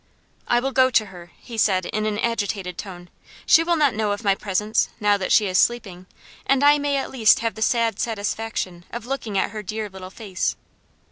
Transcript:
"I will go to her," he said in an agitated tone. "She will not know of my presence, now that she is sleeping, and I may at least have the sad satisfaction of looking at her dear little face."